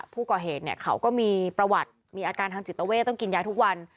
ผู้ก่อเหตุเขาก็มีประวัติมีอาการทางจิตเวทต้องกินยาทุกวัน